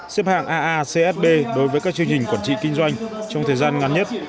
xếp hạng aa csb đối với các chương trình quản trị kinh doanh trong thời gian ngắn nhất